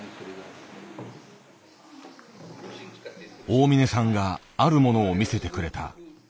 大嶺さんがあるものを見せてくれた。